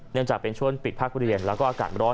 เนื่องจากเป็นช่วงปิดพักเรียนแล้วก็อากาศร้อน